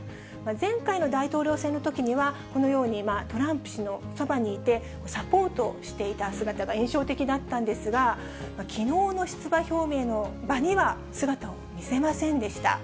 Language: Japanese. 前回の大統領選のときには、このようにトランプ氏のそばにいて、サポートしていた姿が印象的だったんですが、きのうの出馬表明の場には、姿を見せませんでした。